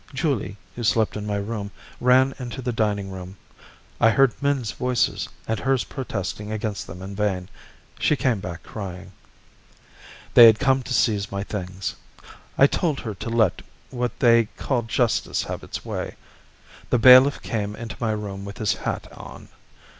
Julie, who slept in my room, ran into the dining room. I heard men's voices, and hers protesting against them in vain. She came back crying. They had come to seize my things. I told her to let what they call justice have its way. The bailiff came into my room with his hat on.